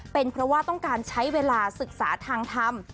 เป็นเพราะว่าต้องการใช้เวลาศึกษาทางธรรม